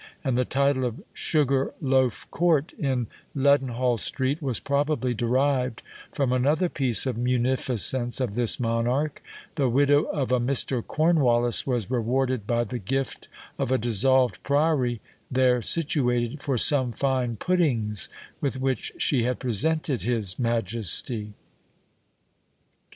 and the title of Sugar loaf court, in Leadenhall street, was probably derived from another piece of munificence of this monarch: the widow of a Mr. Cornwallis was rewarded by the gift of a dissolved priory there situated, for some fine puddings with which she had presented his majesty!